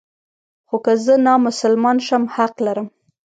خو که زه نامسلمان شم حق لرم.